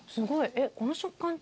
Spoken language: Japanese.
えっこの食感って。